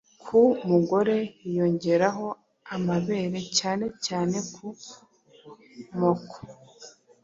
Ku mugore hiyongeraho amabere cyane cyane ku moko.